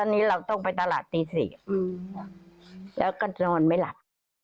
นี่ปีบ่อยไหมครับ